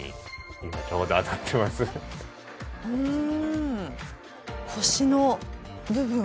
うん。